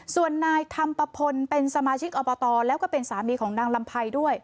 ส่วนนายธรรมปะพลเป็นสมาชิกอบตแล้วก็เป็นสามีของนางลำไพรด้วย